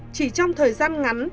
chỉ trong thời gian ngắn